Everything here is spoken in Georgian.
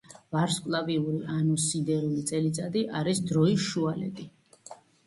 ვარსკვლავიერი, ანუ სიდერული წელიწადი, არის დროის შუალედი.